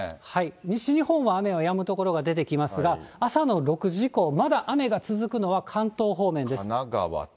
西日本は雨はやむ所が出てきますが、朝の６時以降、まだ雨が続くのは関東方面です。